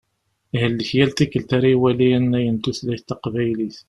Ihellek yal tikelt ara iwali annay n tutlayt taqbaylit.